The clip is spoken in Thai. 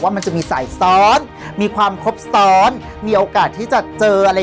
มันจะมีสายซ้อนมีความครบซ้อนมีโอกาสที่จะเจออะไร